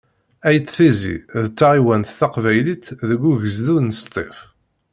Ayt Tizi d taɣiwant taqbaylit deg ugezdu n Sṭif.